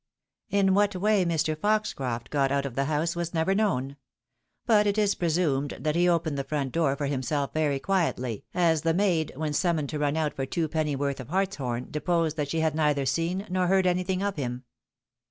In what way Mr. Foxoroft got out of the house was never known ; but it is presumed that he opened the front door for himself very quietly, as the maid, when summoned to run out for two pennyworth of hartshorn, deposed that she had neither seen nor heard anything of him.